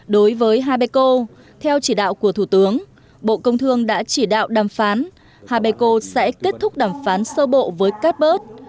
đối với habeco theo chỉ đạo của thủ tướng bộ công thương đã chỉ đạo đàm phán habeco sẽ kết thúc đàm phán sơ bộ với các bớt